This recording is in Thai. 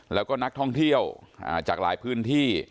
แล้วก็นักท่องเที่ยวจากหลายพื้นที่